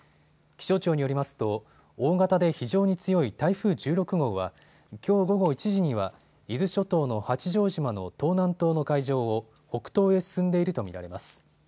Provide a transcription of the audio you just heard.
気象庁によりますと大型で非常に強い台風１６号はきょう午後１時には伊豆諸島の八丈島の東南東の海上を北東へ進んでいると見られます。